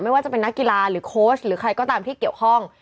ไม่ว่าจะเป็นนักกีฬาหรือโค้ชหรือใครก็ตามที่เกี่ยวข้อง